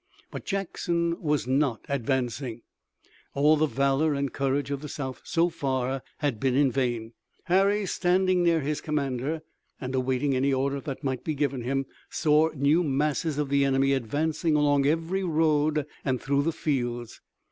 But Jackson was not advancing. All the valor and courage of the South so far had been in vain. Harry, standing near his commander, and awaiting any order that might be given him, saw new masses of the enemy advancing along every road and through the fields.